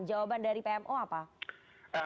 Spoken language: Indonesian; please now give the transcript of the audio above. jawaban dari pmo apa